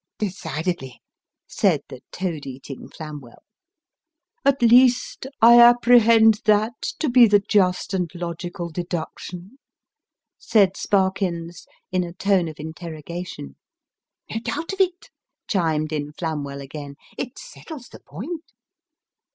" Decidedly," said the toad eating Flamwell. " At least, I apprehend that to be the just and logical deduction ?" said Sparkins, in a tone of interrogation. "No doubt of it," chimed in Flamwell again. "It settles the point."